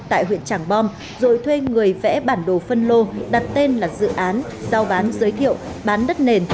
tại huyện trảng bom rồi thuê người vẽ bản đồ phân lô đặt tên là dự án giao bán giới thiệu bán đất nền